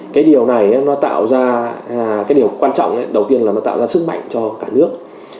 cái điều này nó tạo ra cái điều quan trọng đầu tiên là nó tạo ra sức mạnh cho cả nước